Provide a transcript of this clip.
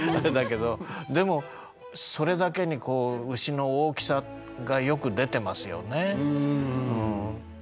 だけどでもそれだけにこう牛の大きさがよく出てますよね。